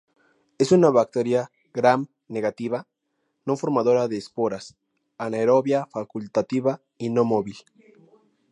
Es una bacteria Gram-negativa, no formadora de esporas, anaerobia facultativa y no-móvil.